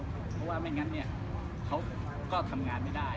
เพราะว่าไม่งั้นเขาก็ทำงานไม่ได้